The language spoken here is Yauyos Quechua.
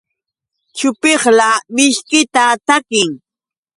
Chupiqla mishkita takin.